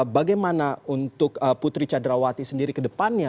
bagaimana untuk putri candrawati sendiri ke depannya